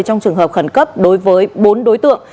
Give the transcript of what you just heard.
trong trường hợp khẩn cấp đối với bốn đối tượng